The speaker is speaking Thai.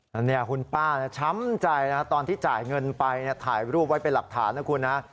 แล้วเนี่ยคุณป้าช้ำใจนะตอนที่จ่ายเงินไปถ่ายรูปไว้เป็นหลักฐานนะคุณนะ